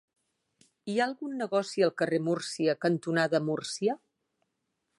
Hi ha algun negoci al carrer Múrcia cantonada Múrcia?